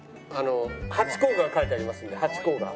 ハチ公が描いてありますんでハチ公が。